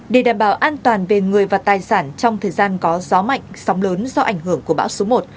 để đảm bảo an toàn về người và tài sản trong thời gian có gió mạnh sóng lớn do ảnh hưởng của bão số một